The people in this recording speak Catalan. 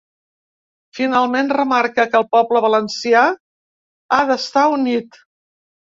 Finalment, remarca que el poble valencià ha d’estar unit.